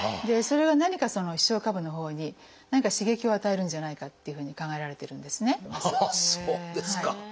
それは何か視床下部のほうに何か刺激を与えるんじゃないかっていうふうに考えられているんですね。